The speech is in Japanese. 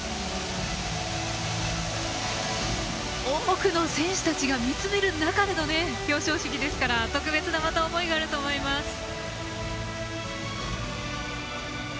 多くの選手たちが見つめる中での表彰式ですからまた特別な思いがあると思います。